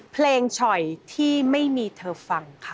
ฉ่อยที่ไม่มีเธอฟังค่ะ